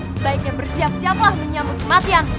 sebaiknya bersiap siaplah menyambut kematian